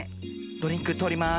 ドリンクとおります。